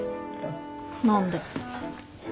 何で？